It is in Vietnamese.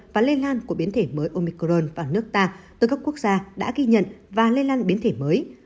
và lây lan của biến thể mới omicron vào nước ta từ các quốc gia đã ghi nhận và lây lan biến thể mới